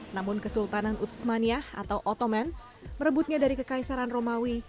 namun kesultanan utsmaniah atau ottoman merebutnya dari kekaisaran romawi